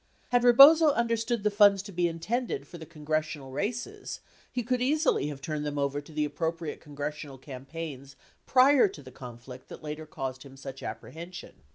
Had Rebozo understood the funds to be intended for the congressional races, he could easily have turned them over to the appropriate congressional campaigns prior to the conflict that later caused him such apprehen sion.